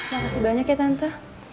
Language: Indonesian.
makasih banyak ya tante